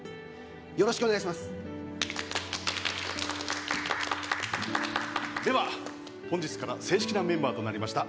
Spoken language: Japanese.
よろしくお願いしますでは本日から正式なメンバーとなりました